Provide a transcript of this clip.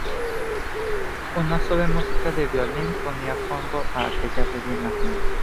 Una suave música de violín ponía fondo a aquella bella imagen.